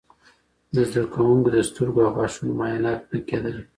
د زده کوونکو د سترګو او غاښونو معاینات نه کيدل.